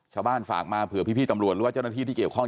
ฝากมาเผื่อพี่ตำรวจหรือว่าเจ้าหน้าที่ที่เกี่ยวข้อง